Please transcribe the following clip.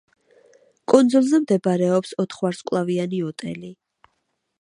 კუნძულზე მდებარეობს ოთხვარსკვლავიანი ოტელი.